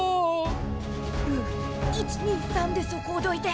ルー１２３でそこをどいて。